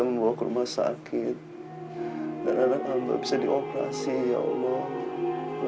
di operasi ya allah